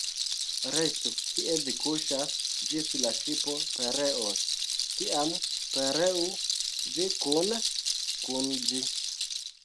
Restu, kie vi kuŝas, ĝis la ŝipo pereos; tiam, pereu vi kune kun ĝi.